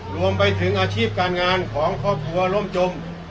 รวมไปถึงอาชีพการงานของครอบครัวร่มจม